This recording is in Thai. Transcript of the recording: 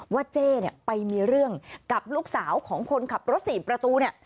เจ๊เนี่ยไปมีเรื่องกับลูกสาวของคนขับรถสี่ประตูเนี่ย